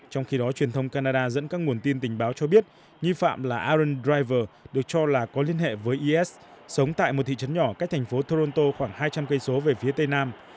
trong khi đó truyền thông canada dẫn các nguồn tin tình báo cho biết nghi phạm là aon driver được cho là có liên hệ với is sống tại một thị trấn nhỏ cách thành phố toronto khoảng hai trăm linh cây số về phía tây nam